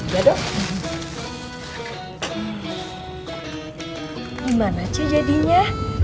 gimana ce jadinya